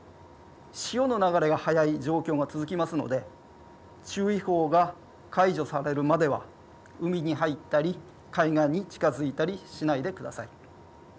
潮の流れが速い状況が続きますので、注意報が解除されるまでは海に入ったり海岸に近づいたりしないでください。